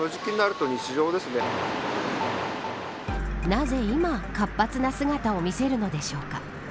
なぜ今、活発な姿を見せるのでしょうか。